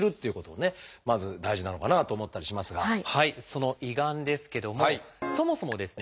その胃がんですけどもそもそもですね